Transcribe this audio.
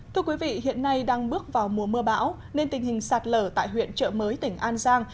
thưa quý vị hiện nay đang bước vào mùa mưa bão nên tình hình sạt lở tại huyện trợ mới tỉnh an giang